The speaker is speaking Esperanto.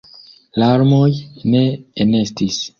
Larmoj ne enestis.